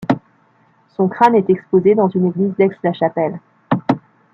Son crâne est exposé dans une église d'Aix-la-Chapelle.